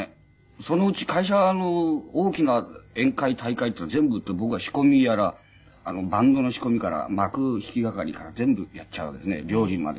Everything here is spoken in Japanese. そのうち会社の大きな宴会大会っていうのは全部僕が仕込みやらバンドの仕込みから幕引き係から全部やっちゃうわけですね料理まで。